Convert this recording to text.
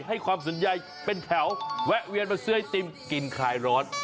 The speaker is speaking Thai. ให้ความสนใจเป็นแถวแวะเวียนมาซื้อไอติมกินคลายร้อน